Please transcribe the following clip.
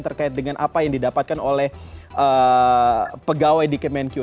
terkait dengan apa yang didapatkan oleh pegawai di kemenq